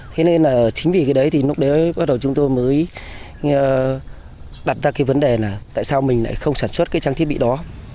thế nên là chính vì cái đấy thì lúc đấy bắt đầu chúng tôi mới đặt ra cái vấn đề là tại sao mình lại không sản xuất cái trang thiết bị đó